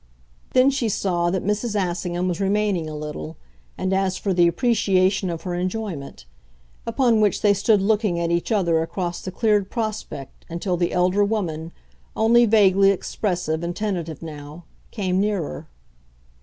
Then she saw that Mrs. Assingham was remaining a little and as for the appreciation of her enjoyment; upon which they stood looking at each other across the cleared prospect until the elder woman, only vaguely expressive and tentative now, came nearer.